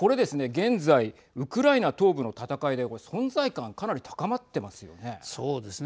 現在ウクライナ東部の戦いで存在感かなり高まってますよね。